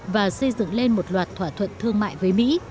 và xây dựng lên một loạt thỏa thuận thương mại với mỹ